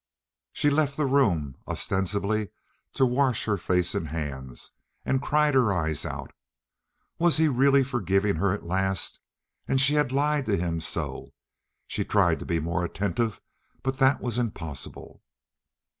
She left the room, ostensibly to wash her face and hands, and cried her eyes out. Was he really forgiving her at last? And she had lied to him so! She tried to be more attentive, but that was impossible.